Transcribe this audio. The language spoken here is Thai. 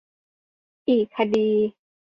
อีกคดี